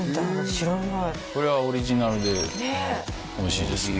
知らないこれはオリジナルでおいしいですね